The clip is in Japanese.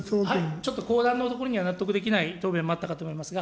ちょっと後段のところには納得できない答弁もあったかと思いますが、